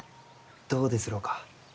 どうですろうか？